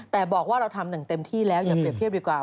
แต่บอกว่าเราทำอย่างเต็มที่แล้วอย่าเรียบเทียบดีกว่า